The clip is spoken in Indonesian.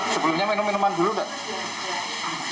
sebelumnya minum minuman dulu nggak